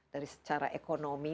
dari secara ekonomi